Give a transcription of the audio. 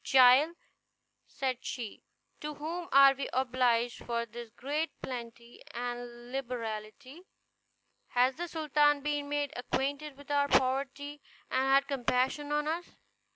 "Child," said she, "to whom are we obliged for this great plenty and liberality? Has the sultan been made acquainted with our poverty, and had compassion on us?"